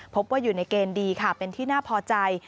พบว่าอยู่ในเกณฑ์ดีค่ะเป็นที่น่าพอใจ